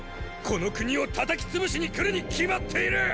この国を叩きつぶしに来るに決まっている！